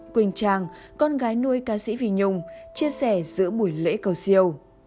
quỳnh trang con gái nuôi ca sĩ vy nhung chia sẻ giữa buổi lễ cầu siêu